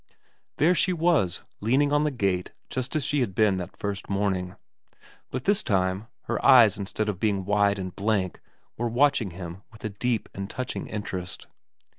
There she was, leaning on the gate just as she had been that first morning, but this time her eyes instead of being wide and blank were watching hitn with a deep and touching interest.